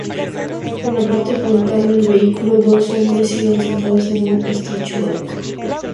En la parte frontal del vehículo, dos hombres iban sentados en un estrecho banco.